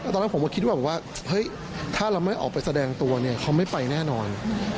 ตอนนั้นผมก็คิดว่าเฮ้ยถ้าเราไม่ออกไปแสดงตัวเนี่ยเขาไม่ไปแน่นอน